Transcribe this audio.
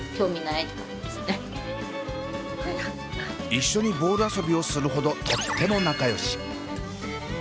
一緒にボール遊びをするほどとっても仲よし。